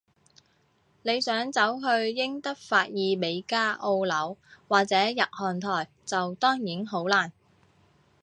你想走去英德法意美加澳紐，或者日韓台，就當然好難